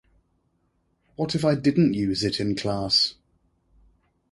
What if I didn't use it in class?